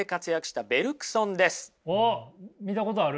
おっ見たことある。